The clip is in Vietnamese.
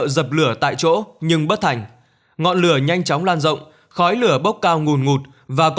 dập lửa tại chỗ nhưng bất thành ngọn lửa nhanh chóng lan rộng khói lửa bốc cao ngùn ngụt và có